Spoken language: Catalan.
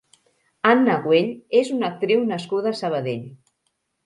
Anna Güell és una actriu nascuda a Sabadell.